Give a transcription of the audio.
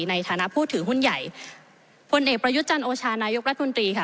ในฐานะผู้ถือหุ้นใหญ่พลเอกประยุทธ์จันโอชานายกรัฐมนตรีค่ะ